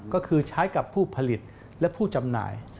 ก็คือใช้กับผู้ผลิตและผู้จำหน่าย